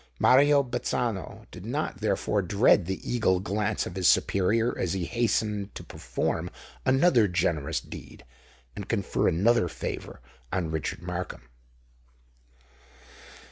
Mario Bazzano did not therefore dread the eagle glance of his superior, as he hastened to perform another generous deed and confer another favour on Richard Markham.